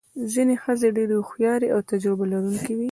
ځینې ښځې ډېرې هوښیارې او تجربه لرونکې وې.